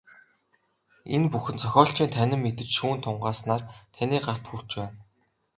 Энэ бүхэн зохиолчийн танин мэдэж, шүүн тунгааснаар таны гарт хүрч байна.